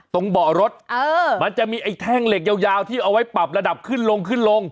ตรงเบาะรถมันจะมีไอ้แท่งเหล็กยาวที่เอาไว้ปรับระดับขึ้นลงขึ้นลง